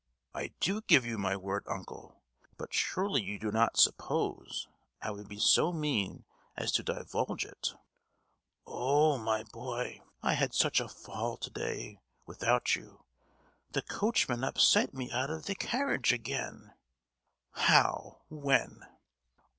"I do give you my word, uncle! But surely you do not suppose I would be so mean as to divulge it?" "Oh, my boy! I had such a fall to day, without you. The coachman upset me out of the carriage again!" "How? When?"